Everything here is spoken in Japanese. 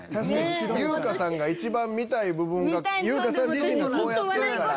優香さんが一番見たい部分が優香さん自身がこうやってるから。